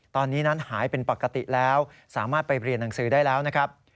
ตอนนี้นั้นหายเป็นปกติแล้วสามารถไปเรียนหนังสือได้แล้วนะครับ